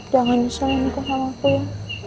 jangan nyesel nikah sama aku ya